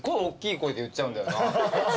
声で言っちゃうんだよな。